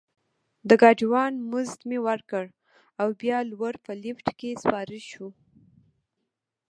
د ګاډي وان مزد مې ورکړ او بیا لوړ په لفټ کې سپاره شوو.